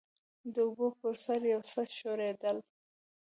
د اوبو پر سر يو څه ښورېدل.